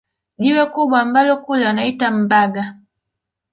Jiwe kubwa ambalo kule wanaita Mbaga